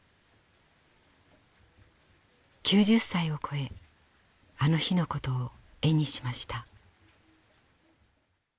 ９０歳をこえあの日のことを絵にしました。